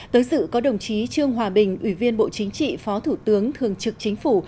tới sự có đồng chí trương hòa bình ủy viên bộ chính trị phó thủ tướng thường trực chính phủ